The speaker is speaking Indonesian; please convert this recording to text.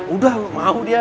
udah mau dia